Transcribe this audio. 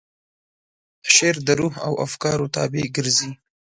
شعر د روح او افکارو تابع ګرځي.